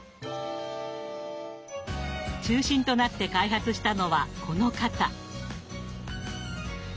中心となって開発したのはこの方。